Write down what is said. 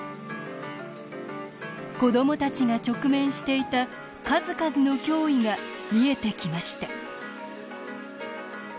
子どもたちが直面していた数々の脅威が見えてきました。